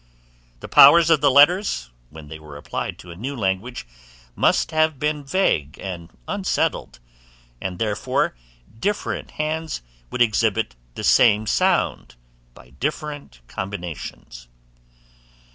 The powers of the letters, when they were applied to a new language, must have been vague and unsettled, and therefore different hands would exhibit the same sound by different combinations.